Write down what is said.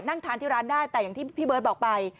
นั่งทานที่ร้านได้แต่อย่างที่พี่เบิร์ตบอกไป